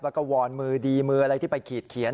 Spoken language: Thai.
แล้วก็วอนมือดีมืออะไรที่ไปขีดเขียน